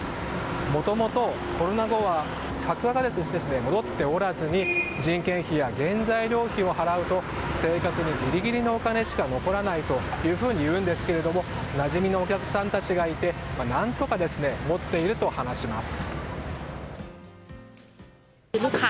もともとコロナ後は客も戻っておらず人件費や原材料費を払うと生活にギリギリのお金しか戻らないと言うんですけどなじみのお客さんたちがいて何とかもっていると話します。